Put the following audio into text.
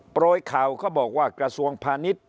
โปรยข่าวเขาบอกว่ากระทรวงพาณิชย์